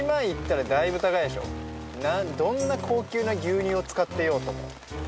どんな高級な牛乳を使ってようとも。